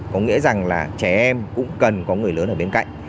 có nghĩa rằng là trẻ em cũng cần có người lớn ở bên cạnh